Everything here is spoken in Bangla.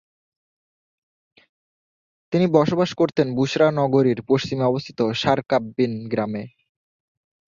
তিনি বসবাস করতেন বুসরা নগরীর পশ্চিমে অবস্থিত ‘শারকাব্বীন’ গ্রামে।